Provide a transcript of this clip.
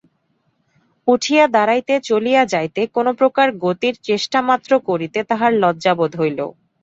উঠিয়া দাঁড়াইতে, চলিয়া যাইতে, কোনোপ্রকার গতির চেষ্টামাত্র করিতে তাহার লজ্জাবোধ হইল।